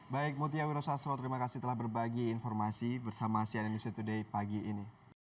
baik muthiawi rosastro terima kasih telah berbagi informasi bersama cnn news today pagi ini